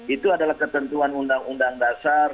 itu adalah ketentuan undang undang dasar